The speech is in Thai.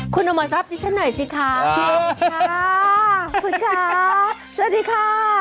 คุณจะมาทราบพี่เช่นนำหน่อยสิค่ะคุณค่ะอืมค่ะคุณค่ะสวัสดีค่ะ